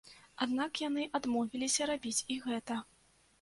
Аднак яны адмовіліся рабіць і гэта.